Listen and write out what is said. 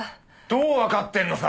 どうわかってるのさ！